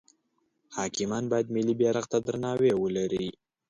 حاکمان باید ملی بیرغ ته درناوی ولری.